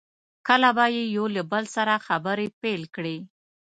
کله به یې یو له بل سره خبرې پیل کړې.